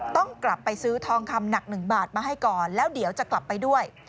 ต้องกลับไปซื้อทองคำหนัก๑บาทมาให้ก่อนแล้วเดี๋ยวจะกลับไปด้วย